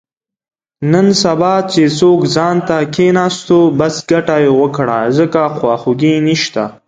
نن سبا چې څوک ځانته کېناستو، بس ګټه یې وکړه، ځکه خواخوږی نشته.